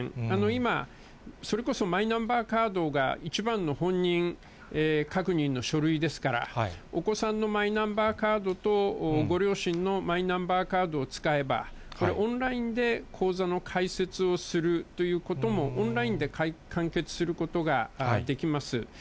今、それこそ、マイナンバーカードが一番の本人確認の書類ですから、お子さんのマイナンバーカードと、ご両親のマイナンバーカードを使えば、これ、オンラインで口座の開設をするということも、オンラインで完結することができます。